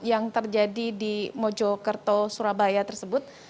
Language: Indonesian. yang terjadi di mojokerto surabaya tersebut